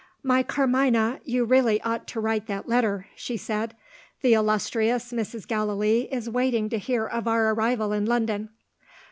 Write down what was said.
"My Carmina, you really ought to write that letter," she said; "the illustrious Mrs. Gallilee is waiting to hear of our arrival in London."